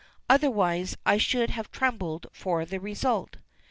Otherwise I should have trembled for the result."